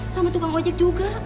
sama tukang ojek juga